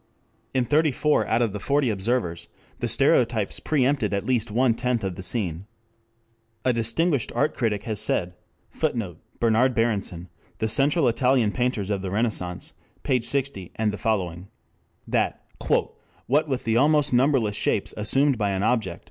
In thirty four out of the forty observers the stereotypes preempted at least one tenth of the scene. A distinguished art critic has said [Footnote: Bernard Berenson, The Central Italian Painters of the Renaissance, pp. 60, et seq.] that "what with the almost numberless shapes assumed by an object.